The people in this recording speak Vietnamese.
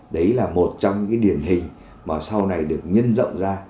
đấy là một trong những điển hình mà sau này được nhân rộng ra